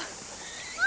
あ！